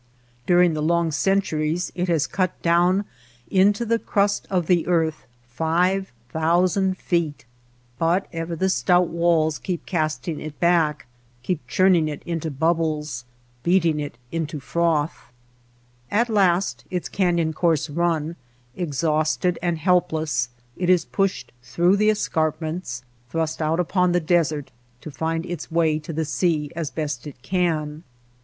During the long centuries it has cut down into the crust of the earth five thousand feet. But ever the stout walls keep casting it back, keep churning it into bubbles, beating it 63 Rise of the Colorado. In the canyon. 64 THE DESERT On the desert. The lower river. into froth. At last, its canyon course run, ex hausted and helpless, it is pushed through the escarpments, thrust out upon the desert, to find its way to the sea as best it can.